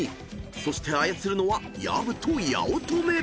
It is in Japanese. ［そして操るのは薮と八乙女］